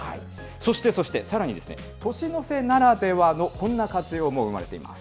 そしてそして、さらに、年の瀬ならではのこんな活用法が出ています。